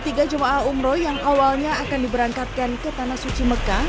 sebanyak sembilan puluh tiga jemaah umroh yang awalnya akan diberangkatkan ke tanah suci mekah